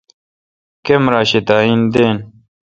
کمرا شی داین دین۔